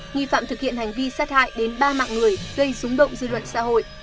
nghi phạm thực hiện hành vi sát hại đến ba mạng người gây súng động dư luận xã hội